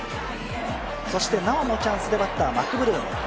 そしてなおもチャンスでバッター、マクブルーム。